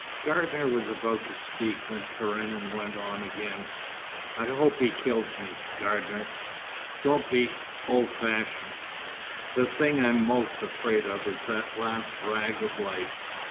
Gardener was about to speak when Karenin went on again. 'I hope he kills me, Gardener. Don't be—old fashioned. The thing I am most afraid of is that last rag of life.